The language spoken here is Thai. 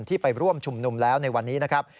ไปร่วมชุมนุมแล้วในวันนี้นะครับ